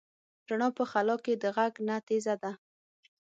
رڼا په خلا کې د غږ نه تېزه ده.